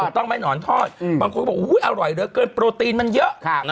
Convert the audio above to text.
ถูกต้องไหมหนอนทอดบางคนก็บอกอร่อยเหลือเกินโปรตีนมันเยอะ